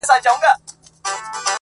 کلي مو وسوځیږي،